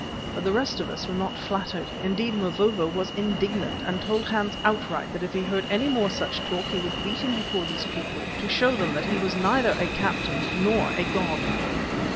But the rest of us were not flattered; indeed, Mavovo was indignant, and told Hans outright that if he heard any more such talk he would beat him before these people, to show them that he was neither a captain nor a god.